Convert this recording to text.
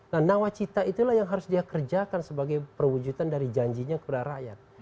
nah nawacita itulah yang harus dia kerjakan sebagai perwujudan dari janjinya kepada rakyat